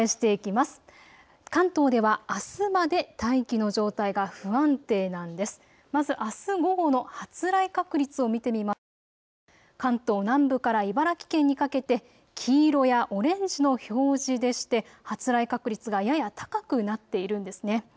まずあす午後の発雷確率を見てみますと、関東南部から茨城県にかけて黄色やオレンジの表示でして、発雷確率がやや高くなっているんですね。